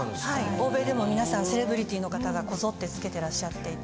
欧米でも皆さんセレブリティの方がこぞってつけてらっしゃっていて。